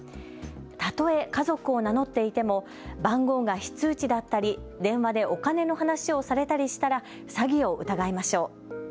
例え家族を名乗っていても番号が非通知だったり電話でお金の話をされたりしたら詐欺を疑いましょう。